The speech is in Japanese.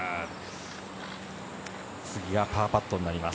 次がパーパットになります。